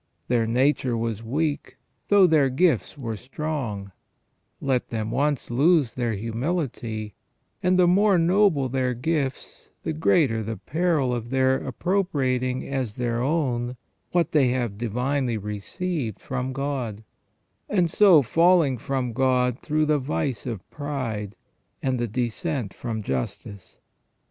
Their nature was weak, though their gifts were strong ; let them once lose their humility, and the more noble their gifts, the greater the peril of their appropriating as their own what they have divinely received from God, and so falling from God through the vice of pride, and the descent from justice.